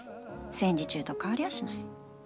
戦時中と変わりゃしない。